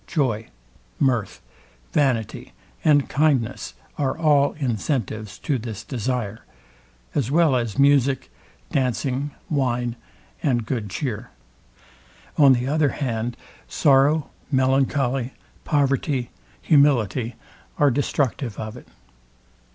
Joy, mirth, vanity, and kindness are all incentives to this desire; as well as music, dancing, wine, and good cheer. On the other hand, sorrow, melancholy, poverty, humility are destructive of it.